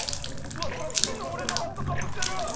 うわっさっきの俺のハットかぶってる！